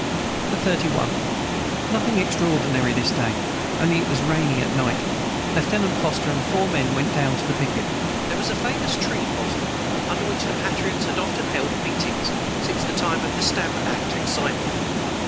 the 31. Nothing extraordinary this day only it was rainy at night Lieutenant Foster and four men went down to the piquet. [Footnote 149: There was a famous tree in Boston, under which the patriots had often held meetings since the time of the stamp act excitement.